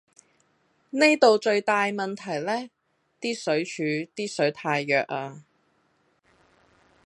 呢度最大問題呢，啲水柱啲水太弱呀